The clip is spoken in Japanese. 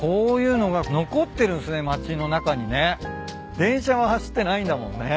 電車は走ってないんだもんね。